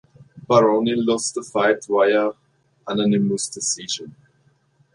Baroni lost the fight via unanimous decision.